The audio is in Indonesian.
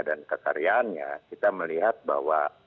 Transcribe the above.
dan kesaryaannya kita melihat bahwa